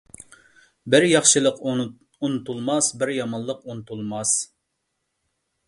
بىر ياخشىلىق ئۇنتۇلماس، بىر يامانلىق ئۇنتۇلماس.